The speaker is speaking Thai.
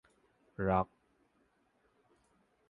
หรอก